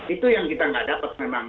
itu yang kita nggak dapat memang